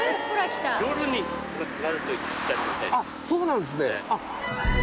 そうなんですね。